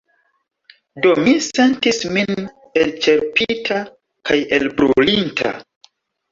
Do mi sentis min elĉerpita kaj elbrulinta.